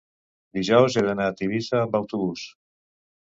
dijous he d'anar a Tivissa amb autobús.